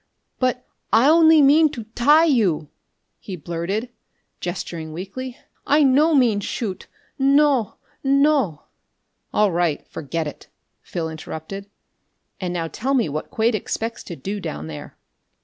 "But I only mean to tie you!" he blurted, gesturing weakly. "I no mean shoot! No, no " "All right forget it," Phil interrupted. "And now tell me what Quade expects to do down there."